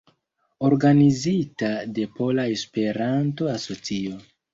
Organizita de Pola Esperanto-Asocio.